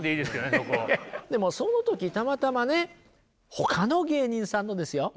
でもその時たまたまねほかの芸人さんのですよ